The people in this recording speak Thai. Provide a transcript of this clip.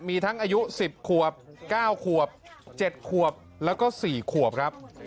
มีทั้งอายุ๑๐ขวบ๙ขวบ๗ขวบแล้วก็๔ขวบครับ